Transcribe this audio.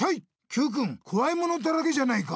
Ｑくんこわいものだらけじゃないか！